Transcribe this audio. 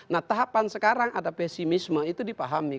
nah tahapan sekarang ada pesimisme itu dipahami